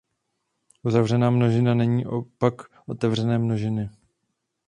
Uzavřená množina není opak otevřené množiny.